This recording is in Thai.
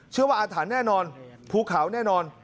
อาถรรพ์แน่นอนภูเขาแน่นอน